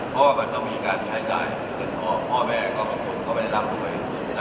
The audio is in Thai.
เพราะว่ามันต้องมีการใช้จ่ายเพื่อนพ่อแม่ก็ควรเข้ามาแนะนำด้วย